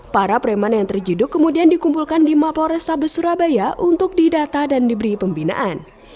para preman yang terjiduk kemudian dikumpulkan di mapo restabes surabaya untuk didata dan diberi pembinaan